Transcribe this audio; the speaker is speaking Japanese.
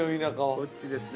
こっちですね。